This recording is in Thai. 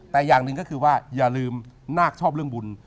แต่อย่างหนึ่งก็คือว่าอย่าลืมนาคชอบเรื่องบุญ